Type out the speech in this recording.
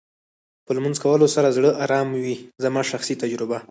په لمونځ کولو سره زړه ارامه وې زما شخصي تجربه.